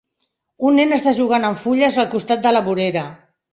Un nen està jugant amb fulles al costat de la vorera.